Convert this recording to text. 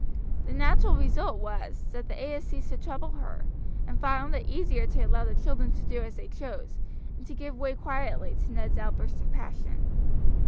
The natural result was, that the ayahs ceased to trouble her, and found it easier to allow the children to do as they chose, and to give way quietly to Ned's outbursts of passion.